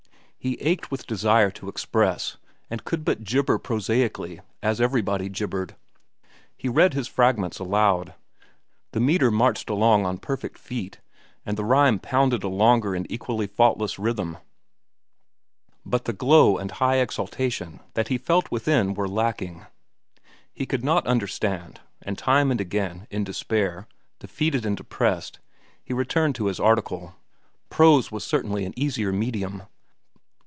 He ached with desire to express and could but gibber prosaically as everybody gibbered. He read his fragments aloud. The metre marched along on perfect feet, and the rhyme pounded a longer and equally faultless rhythm, but the glow and high exaltation that he felt within were lacking. He could not understand, and time and again, in despair, defeated and depressed, he returned to his article. Prose was certainly an easier medium.